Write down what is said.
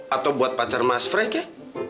atau buat pacar mas frey kek